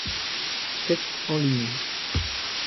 Texte en ligne.